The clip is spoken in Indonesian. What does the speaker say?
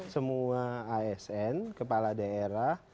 semua asn kepala daerah